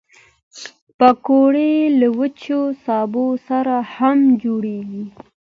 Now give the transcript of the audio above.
پکورې له وچو سبو سره هم جوړېږي